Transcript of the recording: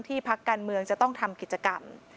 พักการเมืองจะต้องทำกิจกรรม